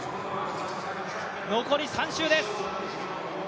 残り３周です。